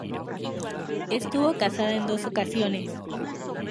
Estuvo casada en dos ocasiones.